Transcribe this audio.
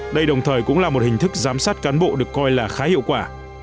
đây đồng thời cũng là một hình thức giám sát cán bộ được coi là khá hiệu quả